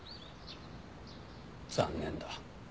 残念だ。